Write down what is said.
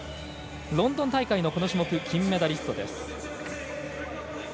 ロンドン大会のこの種目金メダルです。